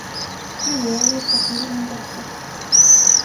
Adjö och lycka till, min gosse!